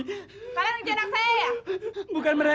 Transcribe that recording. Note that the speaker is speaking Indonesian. eh kalian menjadang saya ya